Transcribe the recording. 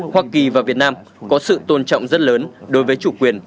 hoa kỳ và việt nam có sự tôn trọng rất lớn đối với chủ quyền